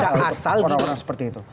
orang orang seperti itu